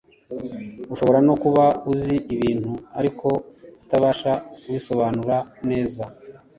Ushobora no kuba uzi ibintu ariko utabasha kubisobanura neza,